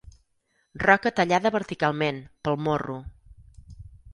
Roca tallada verticalment, pel morro.